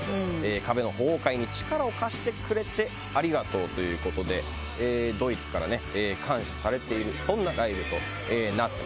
「壁の崩壊に力を貸してくれてありがとう」ということでドイツから感謝されているそんなライブとなってます。